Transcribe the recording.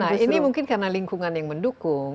nah ini mungkin karena lingkungan yang mendukung